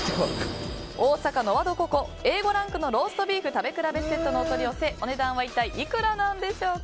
大阪ノワドココ、Ａ５ランクのローストビーフ食べ比べセットのお取り寄せ、お値段は一体いくらなんでしょうか。